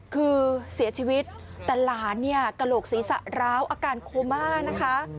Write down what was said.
คือเสียชีวิตแต่หลานเนี่ยกระโหลกศีรษะร้าวอาการโคม่านะคะ